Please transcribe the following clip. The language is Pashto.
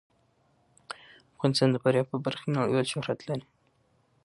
افغانستان د فاریاب په برخه کې نړیوال شهرت لري.